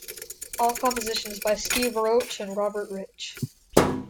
All compositions by Steve Roach and Robert Rich.